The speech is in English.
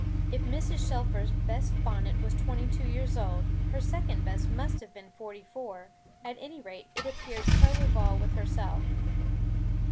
If Mrs. Shelfer's best bonnet was twenty two years old, her second best must have been forty four; at any rate it appeared coeval with herself.